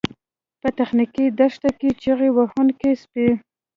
په تخنیکي دښته کې چیغې وهونکي سپي